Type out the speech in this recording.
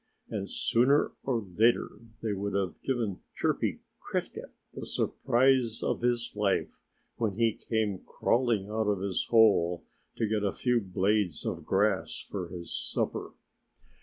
And sooner or later they would have given Chirpy Cricket the surprise of his life, when he came crawling out of his hole to get a few blades of grass for his supper.